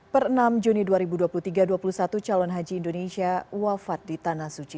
per enam juni dua ribu dua puluh tiga dua puluh satu calon haji indonesia wafat di tanah suci